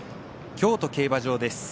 京都競馬場です。